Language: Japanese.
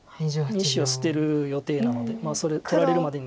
２子は捨てる予定なのでそれ取られるまでに。